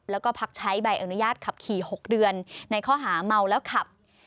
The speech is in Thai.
แล้วก็พักใช้ใบอนุญาตขับขี่๖เดือนในข้อหาเมาแล้วขับ